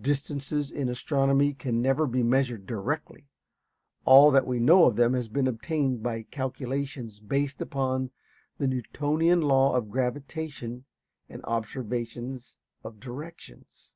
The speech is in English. Distances in astronomy can never be measured directly. All that we know of them has been obtained by calculations based upon the Newtonian law of gravitation and observations of directions.